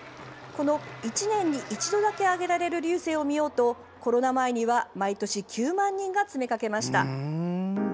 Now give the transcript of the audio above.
この１年に一度だけ上げられる龍勢を見ようとコロナ前には毎年９万人が詰め掛けました。